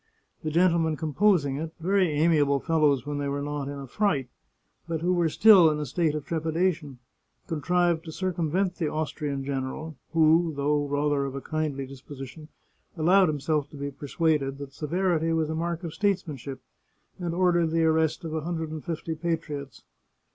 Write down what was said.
The gentlemen composing it, very amiable fellows when they were not in a fright, but who were still in a state of trepidation, contrived to circumvent the Austrian general, who, though rather of a kindly disposition, allowed himself to be persuaded that severity was a mark of statesmanship, and ordered the arrest of a hundred and fifty patriots.